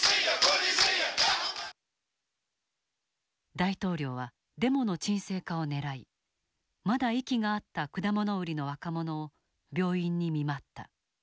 大統領はデモの鎮静化をねらいまだ息があった果物売りの若者を病院に見舞った。